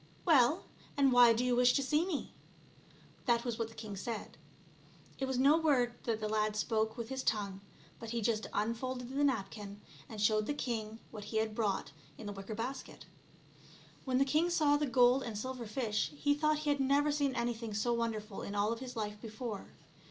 " Well, and why do you wish to see me ?" That was what the king said. It was no word that the lad spoke with his tongue, but he just unfolded the napkin, and showed the king what he had brought in the wicker basket. When the king saw the gold and silver fish, he thought he had never seen anything so wonderful in all of his life before.